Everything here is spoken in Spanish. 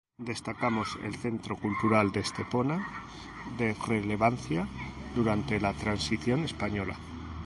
Destacamos el Centro Cultural de Estepona, de relevancia durante la transición española.